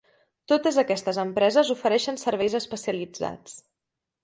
Totes aquestes empreses ofereixen serveis especialitzats.